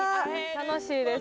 楽しいです。